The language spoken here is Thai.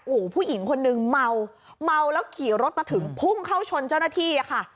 โอ้โหผู้หญิงคนนึงเมาเมาแล้วขี่รถมาถึงพุ่งเข้าชนเจ้าหน้าที่อะค่ะ